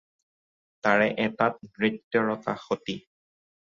তাৰে এটাত নৃত্যৰতা সতী।